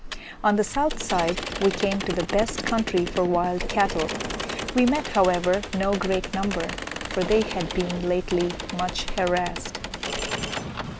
On the south side we came to the best country for wild cattle; we met, however, no great number, for they had been lately much harassed.